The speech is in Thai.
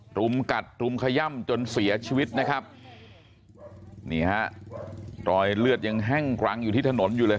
รุมกัดรุมขย่ำจนเสียชีวิตนะครับนี่ฮะรอยเลือดยังแห้งกรังอยู่ที่ถนนอยู่เลย